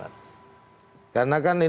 kita bisa mengajak partai partai yang lain